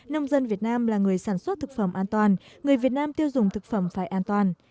nông dân việt nam là người sản xuất thực phẩm an toàn người việt nam tiêu dùng thực phẩm phải an toàn